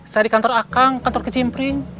saya di kantor akang kantor ke cimpring